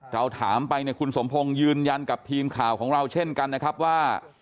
เราถามไปเนี่ยคุณสมพงศ์ยืนยันกับทีมข่าวของเราเช่นกันนะครับว่า